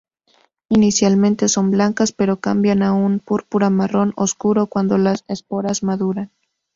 Inicialmente son blancas, pero cambian a un púrpura-marrón oscuro cuando las esporas maduran.